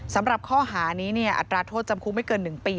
สำหรับข้อหานี้อัตราโทษจำคุกไม่เกิน๑ปี